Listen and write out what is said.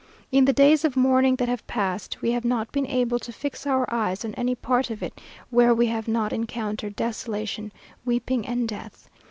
In the days of mourning that have passed, we have not been able to fix our eyes on any part of it where we have not encountered desolation, weeping, and death.